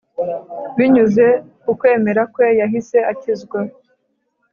Binyuze ku kwemera kwe yahise akizwa